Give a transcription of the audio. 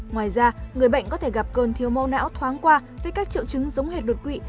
ngoài ra người bệnh có thể gặp cơn thiếu mẫu não thoáng qua với các triệu chứng giống hệt đột quỵ